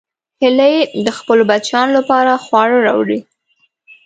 هیلۍ د خپلو بچیانو لپاره خواړه راوړي